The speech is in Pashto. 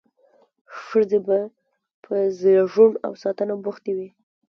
ښځې به په زیږون او ساتنه بوختې وې.